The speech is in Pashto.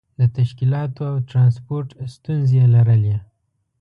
د تشکیلاتو او ترانسپورت ستونزې یې لرلې.